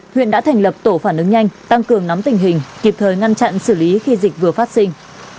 họ thường nắm tình hình kịp thời ngăn chặn xử lý khi dịch vừa phát sinh